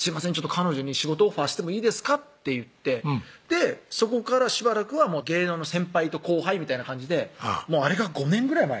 「彼女に仕事オファーしてもいいですか？」って言ってそこからしばらくは芸能の先輩と後輩みたいな感じであれが５年ぐらい前？